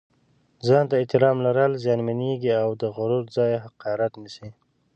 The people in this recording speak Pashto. ځان ته احترام لرل زیانمېږي او د غرور ځای حقارت نیسي.